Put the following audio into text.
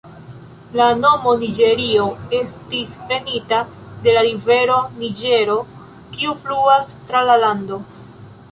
La nomo Niĝerio estis prenita de la rivero Niĝero kiu fluas tra la landon.